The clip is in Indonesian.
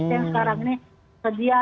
yang sekarang ini sedia